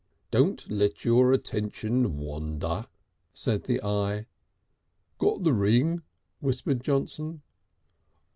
"Don't let your attention wander," said the eye. "Got the ring?" whispered Johnson.